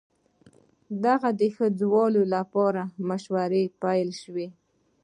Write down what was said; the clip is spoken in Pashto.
د هغه د ښخولو لپاره مشورې پيل سوې